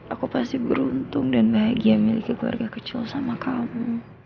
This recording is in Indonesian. aku pasti beruntung dan bahagia milik keluarga kecil sama kamu